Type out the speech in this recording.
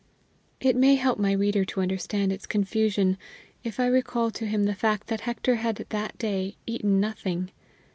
It may help my reader to understand its confusion if I recall to him the fact that Hector had that day eaten nothing.